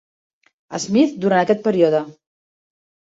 Smith durant aquest període.